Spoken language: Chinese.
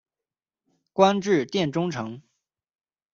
官至殿中丞。